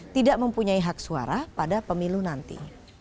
tidak mempunyai hak suara pada pemilu nanti